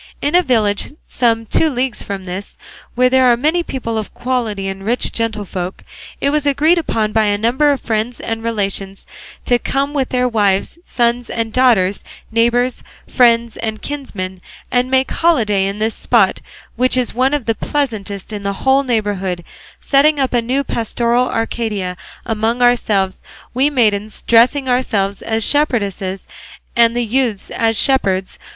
In a village some two leagues from this, where there are many people of quality and rich gentlefolk, it was agreed upon by a number of friends and relations to come with their wives, sons and daughters, neighbours, friends and kinsmen, and make holiday in this spot, which is one of the pleasantest in the whole neighbourhood, setting up a new pastoral Arcadia among ourselves, we maidens dressing ourselves as shepherdesses and the youths as shepherds.